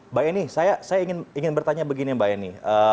mbak eni saya ingin bertanya begini mbak eni